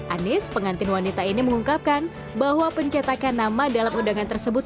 anies pengantin wanita ini mengungkapkan bahwa pencetakan nama dalam undangan tersebut